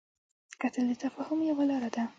کتل د تفاهم یوه لاره ده